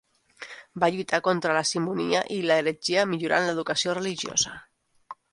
Va lluitar contra la simonia i l'heretgia, millorant l'educació religiosa.